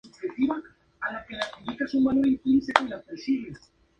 Sirvió como soldado en la Guerra de Vietnam.